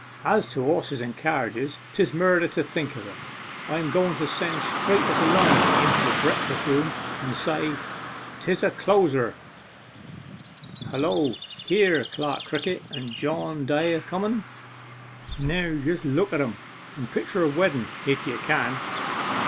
As to horses and carriage, 'tis murder to think of 'em. I am going to send straight as a line into the breakfast room, and say 'tis a closer.... Hullo here's Clerk Crickett and John Day a comen! Now just look at 'em and picture a wedden if you can.